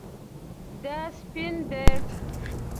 دا سپین دی